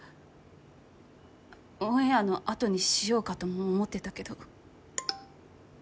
オンエアのあとにしようかとも思ってたけど。